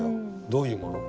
「どういうもの？」